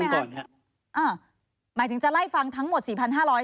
ไหมฮะอ่าหมายถึงจะไล่ฟังทั้งหมดสี่พันห้าร้อย